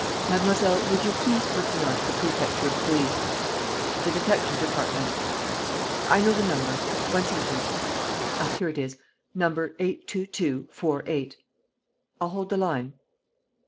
... Mademoiselle, would you please put me on to the Prefecture of Police ... the detective department. ... I know the number ... one second ... Ah, here it is! Number 822.48. ... I'll hold the line."